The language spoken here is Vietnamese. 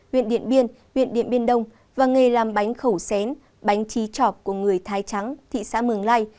huyện điện biên huyện điện biên đông và nghề làm bánh khẩu xén bánh trí trọc của người thái trắng thị xã mường lai